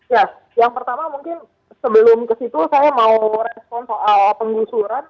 ya yang pertama mungkin sebelum kesitu saya mau respon soal pengusuran